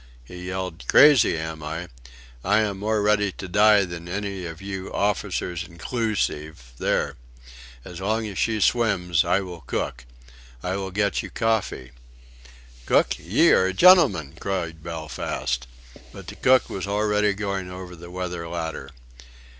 He yelled: "Crazy, am I? I am more ready to die than any of you, officers incloosive there! As long as she swims I will cook! I will get you coffee." "Cook, ye are a gentleman!" cried Belfast. But the cook was already going over the weather ladder.